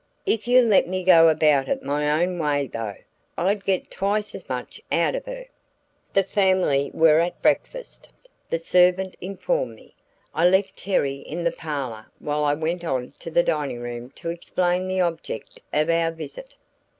"If you'd let me go about it my own way, though, I'd get twice as much out of her." The family were at breakfast, the servant informed me. I left Terry in the parlor while I went on to the dining room to explain the object of our visit.